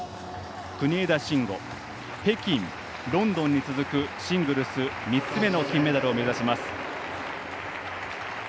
国枝慎吾、北京、ロンドンに続くシングルス３つ目の金メダルを目指します。